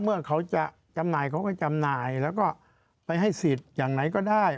เมื่อเขาจะจำหน่ายเขาก็จำหน่ายแล้วก็ไปให้สิทธิ์อย่างไหนก็ได้